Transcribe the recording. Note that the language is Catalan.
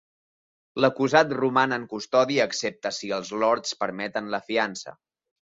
L'acusat roman en custòdia excepte si els Lords permeten la fiança.